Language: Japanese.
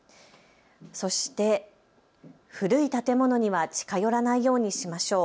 そして、古い建物には近寄らないようにしましょう。